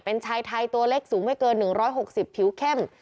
เป็นชายไทยตัวเล็กสูงไม่เกิน๑๖๐ผิวเข้ม